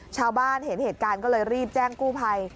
ชาวบ้านเห็นเหตุการณ์ก็เลยรีบแจ้งกู้ภัย